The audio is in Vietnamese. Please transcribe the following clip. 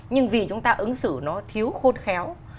nhưng vì chúng ta ứng xử nó thiếu khôn khéo